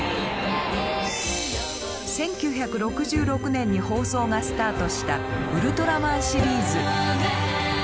１９６６年に放送がスタートしたウルトラマンシリーズ。